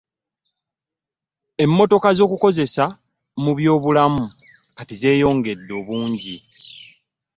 Emmotoka z'okukozesa mu by'obulamu kati zeyongede obungi.